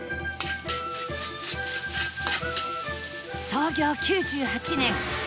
創業９８年